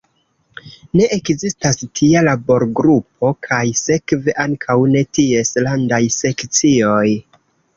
Ne ekzistas tia laborgrupo kaj sekve ankaŭ ne ties landaj sekcioj.